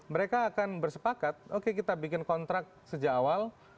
mereka akan bersepakat oke kita bikin kontrak sejak awal